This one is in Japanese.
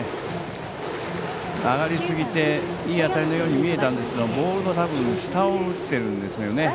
曲がりすぎていい当たりのように見えたんですけど多分、ボールの下を打っているんですよね。